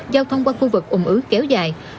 giao thông qua khu vực ủng ứ kéo dài